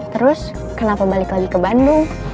terus kenapa balik lagi ke bandung